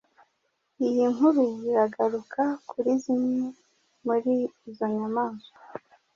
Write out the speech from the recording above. iyi nkuru iragaruka kuri zimwe muri izo nyamaswa